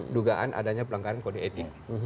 dugaan adanya pelanggaran kode etik